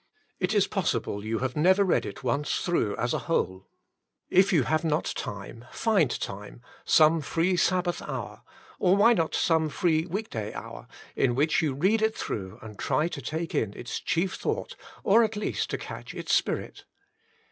It is possible you have never read it once through as a whole. If you have not time, find time, some free Sabbath hour — or why not some free week day hour ?— in which you read it through and try to take in its chief thought, or at least to catch its spirit.